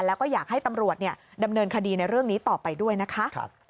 แล้วก็อยากให้ตำรวจดำเนินคดีในเรื่องนี้ต่อไปด้วยนะคะ